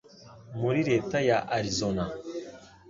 muri Leta ya Arizona,